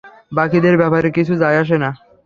বাকিদের ব্যাপারে কিছু যায় আসে না।